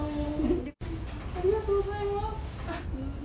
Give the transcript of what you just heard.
ありがとうございます。